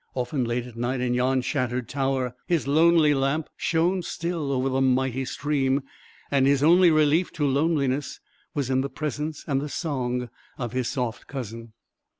Often late at night, in yon shattered tower, his lonely lamp shone still over the mighty stream, and his only relief to loneliness was in the presence and the song of his soft cousin.